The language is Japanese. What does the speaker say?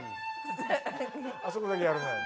あそこだけやるね。